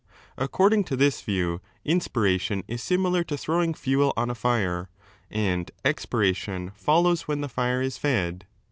According to this view, inspiration is similar to throwing fiiel on a 2 fire, and expiration follows when the fire is fed.